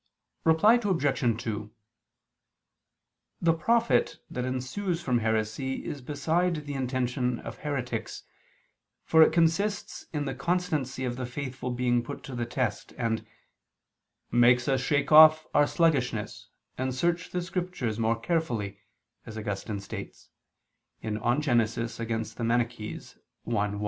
Reply Obj. 2: The profit that ensues from heresy is beside the intention of heretics, for it consists in the constancy of the faithful being put to the test, and "makes us shake off our sluggishness, and search the Scriptures more carefully," as Augustine states (De Gen. cont. Manich. i, 1).